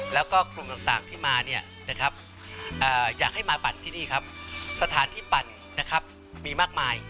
แล้วก็กลุ่มต่างที่มาเนี่ยนะครับอยากให้มาปั่นที่นี่ครับสถานที่ปั่นนะครับมีมากมาย